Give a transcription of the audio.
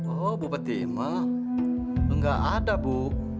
oh ibu fatima gak ada bu